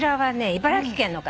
茨城県の方。